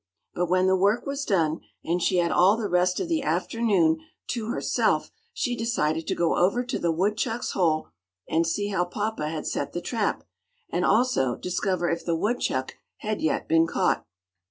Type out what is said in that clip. But when the work was done, and she had all the rest of the afternoon to herself, she decided to go over to the woodchuck's hole and see how papa had set the trap, and also discover if the woodchuck had yet been caught.